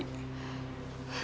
ya udah pak